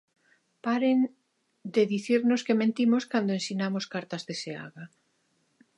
Paren de dicirnos que mentimos cando ensinamos cartas de Seaga.